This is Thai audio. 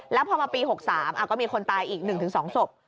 แล้วพอมาปี๖๓ก็มีคนตายอีก๑๒ศพ